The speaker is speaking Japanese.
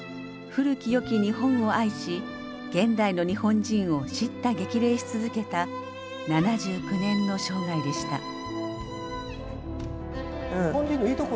古きよき日本を愛し現代の日本人をしった激励し続けた７９年の生涯でした。